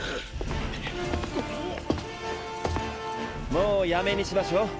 もうやめにしましょう？